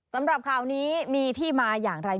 สำหรับข่าวนี้มีที่มาอย่างไร